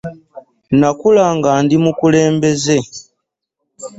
Nakula nga ndi mukulembeze.